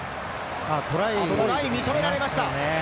トライ、認められました！